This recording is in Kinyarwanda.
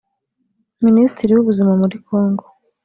Minisitiri w’ubuzima muri Kongo